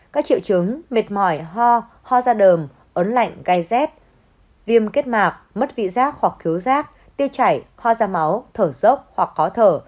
các triệu chứng mệt mỏi ho ho da đờm ấn lạnh gai rét viêm kết mạc mất vị giác hoặc khiếu giác tiêu chảy ho da máu thở rốc hoặc khó thở